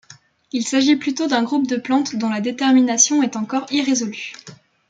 Il s'agit plutôt d'un groupe de plantes dont la détermination est encore irrésolue.